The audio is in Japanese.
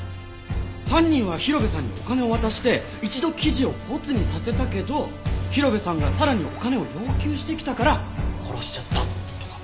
犯人は広辺さんにお金を渡して一度記事をボツにさせたけど広辺さんがさらにお金を要求してきたから殺しちゃったとか？